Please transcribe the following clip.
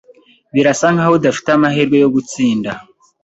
Birasa nkaho adafite amahirwe yo gutsinda.